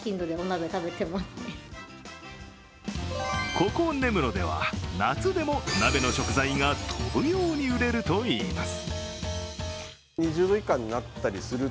ここ根室では夏でも鍋の食材が飛ぶように売れるといいます。